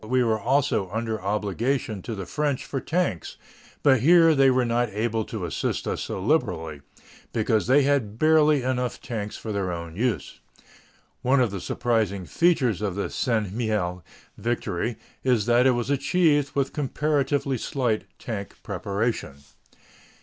We were also under obligation to the French for tanks, but here they were not able to assist us so liberally, because they had barely enough tanks for their own use. One of the surprising features of the St. Mihiel victory is that it was achieved with comparatively slight tank preparation.